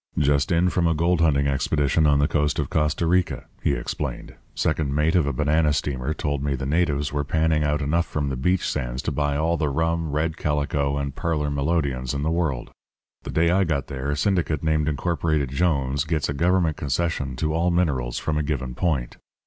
"'Just in from a gold hunting expedition on the coast of Costa Rica,' he explained. 'Second mate of a banana steamer told me the natives were panning out enough from the beach sands to buy all the rum, red calico, and parlour melodeons in the world. The day I got there a syndicate named Incorporated Jones gets a government concession to all minerals from a given point.